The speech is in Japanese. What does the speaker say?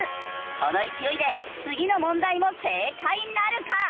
この勢いで次の問題も正解なるか？